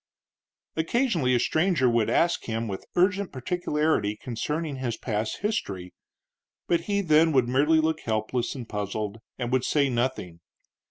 Occasionally a stranger would ask him with urgent particularity concerning his past history, but he then would merely look helpless and puzzled and would say nothing.